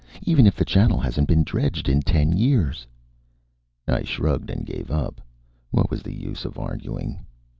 Even if the channel hasn't been dredged in ten years." I shrugged and gave up. What was the use of arguing?